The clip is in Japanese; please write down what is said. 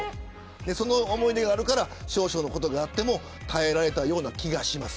その思い出があるから少々のことがあっても耐えられたような気がします。